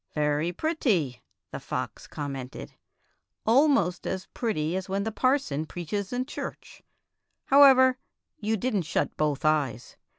" Very pretty," the fox commented —'' al most as pretty as when the parson preaches in church. However, you did n't shut both eyes.